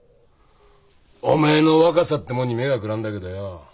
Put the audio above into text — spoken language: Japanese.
お前の若さってもんに目がくらんだけどよ